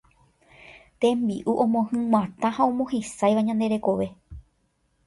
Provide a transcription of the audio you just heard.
Tembi'u omohyg̃uatã ha omohesãiva ñande rekove.